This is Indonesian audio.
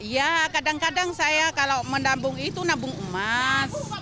ya kadang kadang saya kalau menabung itu nabung emas